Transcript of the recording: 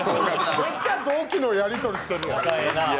めっちゃ同期のやり取りしてるやん！